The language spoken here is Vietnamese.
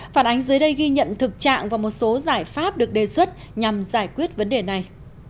phản ánh dưới đây ghi nhận thực trạng và một số giải pháp được đề xuất nhằm giải quyết vấn đề này